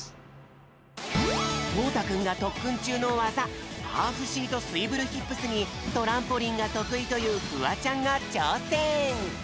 とうたくんがとっくんちゅうのわざハーフシート・スイブル・ヒップスにトランポリンがとくいというフワちゃんがちょうせん！